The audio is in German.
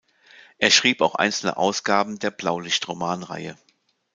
Er schrieb auch einzelne Ausgaben der Blaulicht-Romanreihe.